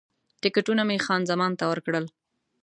ټکټونه مې خان زمان ته ورکړل.